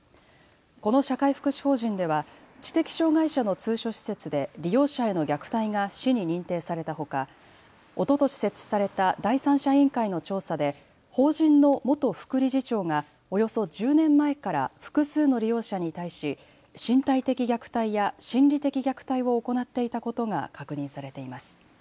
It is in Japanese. この社会福祉法人では知的障害者の通所施設で利用者への虐待が市に認定されたほかおととし設置された第三者委員会の調査で法人の元副理事長がおよそ１０年前から複数の利用者に対し身体的虐待や心理的虐待を行っていたことが確認されています。